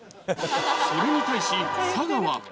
それに対し、佐賀は。